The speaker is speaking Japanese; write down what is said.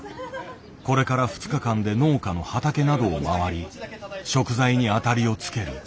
これから２日間で農家の畑などを回り食材に当たりをつける。